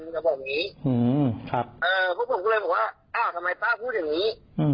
จะบอกอย่างนี้พวกผมก็เลยบอกว่าอ้าวทำไมป้าพูดอย่างนี้